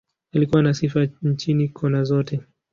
Alikuwa na sifa nchini, kona zote.